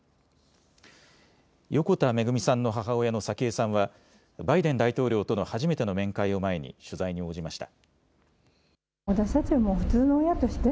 横田めぐみさんの母親の早紀江さんは、バイデン大統領との初めての面会を前に取材に応じました。